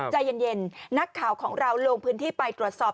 ใจเย็นนักข่าวของเราลงพื้นที่ไปตรวจสอบ